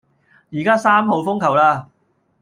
而家三號風球喇